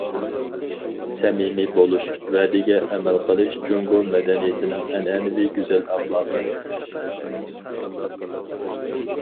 سەمىمىي بولۇش، ۋەدىگە ئەمەل قىلىش جۇڭگو مەدەنىيىتىنىڭ ئەنئەنىۋى گۈزەل ئەخلاقى.